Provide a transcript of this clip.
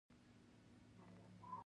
پیاز خام هم خوړل کېږي